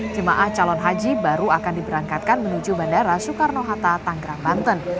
jemaah calon haji baru akan diberangkatkan menuju bandara soekarno hatta tanggerang banten